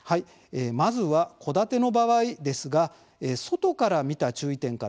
まずは戸建ての場合ですが外から見た注意点からです。